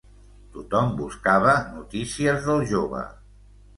Tothom buscava notícies del jove.